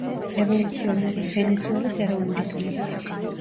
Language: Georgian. რევოლუციონერი, ვენესუელის ეროვნული გმირი.